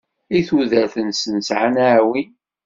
I tudert-nsen sɛan aɛwin.